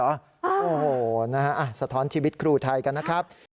โอ้โหนะฮะสะท้อนชีวิตครูไทยกันนะครับ